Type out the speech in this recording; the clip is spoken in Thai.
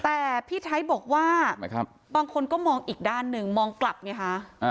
แต่พี่ไทยบอกว่าบางคนก็มองอีกด้านหนึ่งมองกลับไงคะ